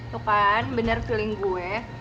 tuh kan bener feeling gue